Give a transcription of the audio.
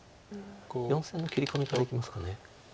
４線の切り込みからいきますか。